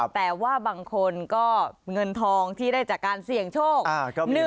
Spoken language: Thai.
แต่ว่าบางคนก็เงินทองที่ได้จากการเสี่ยงโชค